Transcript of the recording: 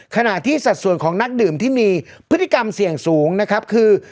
ขณะที่สัดส่วนของนักดื่มที่มีพฤติกรรมเสี่ยงสูงนะครับคือ